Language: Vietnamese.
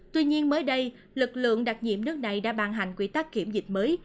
tuy nhiên mới đây lực lượng đặc nhiệm nước này đã ban hành quy tắc kiểm dịch mới